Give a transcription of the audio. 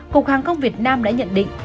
cục hàng không việt nam đã nhận định